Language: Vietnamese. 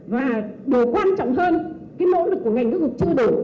và điều quan trọng hơn cái nỗ lực của ngành giáo dục chưa đủ